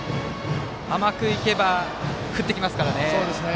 甘くいけば振ってきますからね。